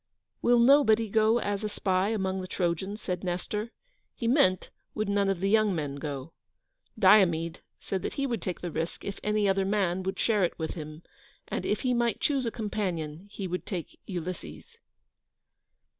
"Will nobody go as a spy among the Trojans?" said Nestor; he meant would none of the young men go. Diomede said that he would take the risk if any other man would share it with him, and, if he might choose a companion, he would take Ulysses.